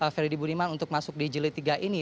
freddy budiman untuk masuk di jilid tiga ini